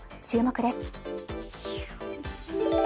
注目です。